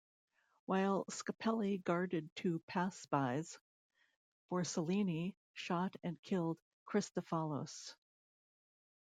While Scapelli guarded two passbys, Borsellini shot and killed Christafalos.